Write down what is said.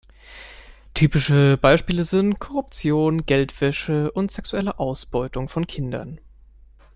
Typische Beispiele sind Korruption, Geldwäsche und sexuelle Ausbeutung von Kindern.